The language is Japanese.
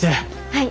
はい。